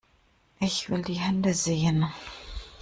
Ich will die Hände sehen!